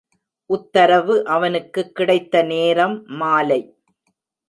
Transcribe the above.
உத்தரவு அவனுக்குக் கிடைத்த நேரம் மாலை.